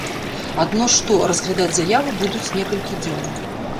Адно што, разглядаць заяву будуць некалькі дзён.